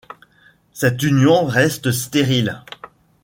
Cette union reste stérile.